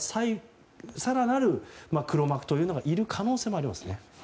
更なる黒幕がいる可能性もありますね。